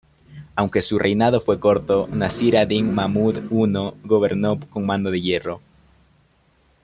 Aunque su reinado fue corto, Nasir ad-Din Mahmud I gobernó con mano de hierro.